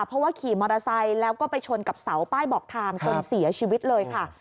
เพราะว่าขี่มอเตอร์ไซค์แล้วก็ไปชนกับเสาป้ายบอกทางจนเสียชีวิตเลยค่ะ